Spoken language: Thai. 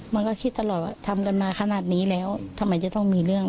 มันก็คิดตลอดว่าทำกันมาขนาดนี้แล้วทำไมจะต้องมีเรื่อง